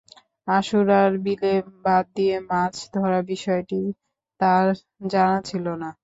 আশুরার বিলে বাঁধ দিয়ে মাছ ধরার বিষয়টি তাঁর জানা ছিল না।